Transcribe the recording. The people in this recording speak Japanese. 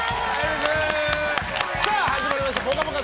始まりました「ぽかぽか」